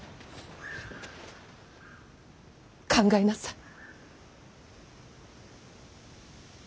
考えなさい。